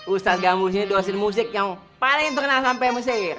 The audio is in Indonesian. ustadz gambus ini dosen musik yang paling terkenal sampai mesir